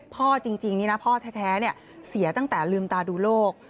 พ่อจริงนี่นะพ่อแท้เสียตั้งแต่ลืมตาดูโลก